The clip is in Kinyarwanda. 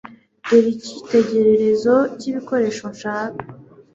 Dore icyitegererezo cyibikoresho nshaka.